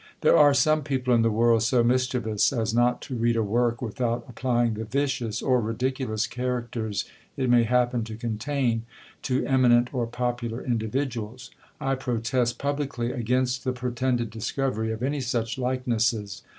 There are some people in the world so mischievous as not to read a work without applying the vicious or ridiculous characters it may happen to contain to eminent or popular individuals. I protest publicly against the pretended discovery of any such likenesses.